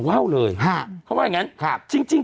เราเลยครับข้ออย่างนั้นครับจริง